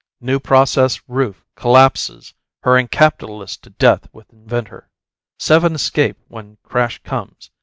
New Process Roof Collapses Hurling Capitalist to Death with Inventor. Seven Escape When Crash Comes.